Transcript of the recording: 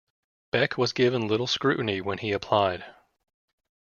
Beck was given little scrutiny when he applied.